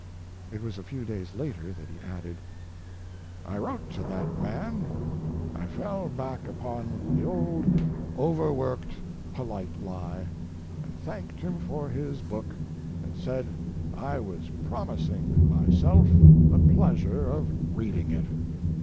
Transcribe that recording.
It was a few days later that he added: I wrote to that man. I fell back upon the old Overworked, polite lie, and thanked him for his book and said I was promising myself the pleasure of reading it.